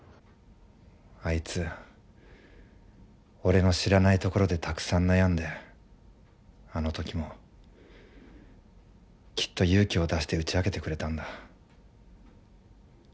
あいつ俺の知らないところでたくさん悩んであの時もきっと勇気を出して打ち明けてくれたんだ。